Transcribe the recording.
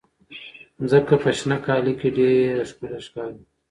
مځکه په شنه کالي کې ډېره ښکلې ښکاري.